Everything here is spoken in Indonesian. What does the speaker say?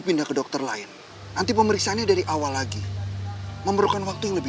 pindah ke dokter lain nanti pemeriksaannya dari awal lagi memerlukan waktu yang lebih